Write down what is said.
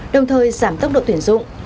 đồng thời giảm tốc độ tuyển dụng